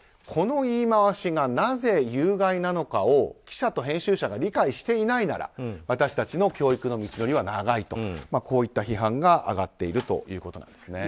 この言い回しがなぜ有害なのかを記者と編集者が理解していないなら私たちの教育の道のりは長いと批判が上がっているということです。